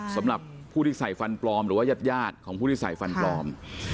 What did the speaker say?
สำหรับผู้ที่ใส่ฟันปลอมหรือว่ายาดของผู้ที่ใส่ฟันปลอม